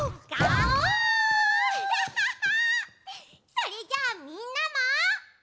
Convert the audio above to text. それじゃあみんなも。